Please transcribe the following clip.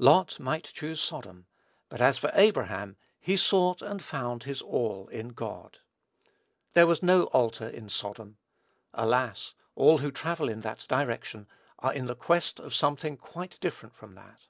Lot might choose Sodom; but as for Abraham, he sought and found his all in God. There was no altar in Sodom. Alas! all who travel in that direction are in quest of something quite different from that.